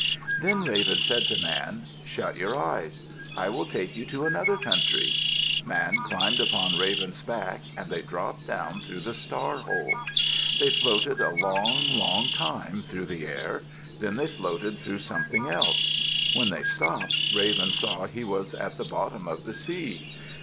Then Raven said to Man, "Shut your eyes. I will take you to another country." Man climbed upon Raven's back and they dropped down through the star hole. They floated a long, long time through the air, then they floated through something else. When they stopped Raven saw he was at the bottom of the sea.